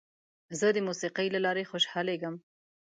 زه د موسیقۍ له لارې خوشحالېږم.